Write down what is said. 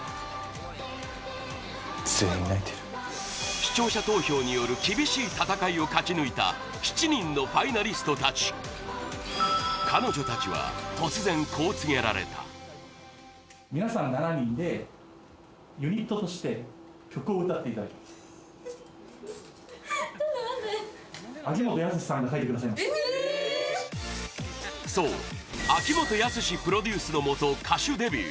視聴者投票による厳しい戦いを勝ち抜いた７人のファイナリストたち彼女たちは突然こう告げられたそう秋元康プロデュースのもと歌手デビュー